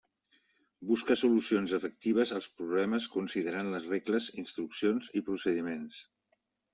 Busca solucions efectives als problemes considerant les regles, instruccions i procediments.